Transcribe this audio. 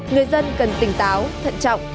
người dân cần tỉnh táo thận trọng